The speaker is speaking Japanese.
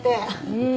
うん。